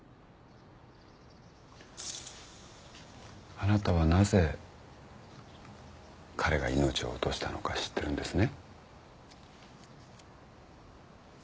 あなたはなぜ彼が命を落としたのか知ってるんですね？